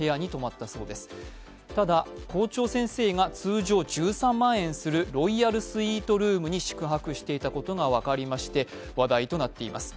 ただ、校長先生が通常１３万円するロイヤルスイートルームに宿泊していたことが分かりまして、話題となっています。